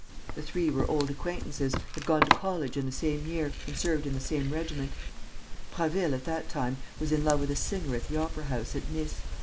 The three were old acquaintances, had gone to college in the same year and served in the same regiment. Prasville, at that time, was in love with a singer at the opera house at Nice.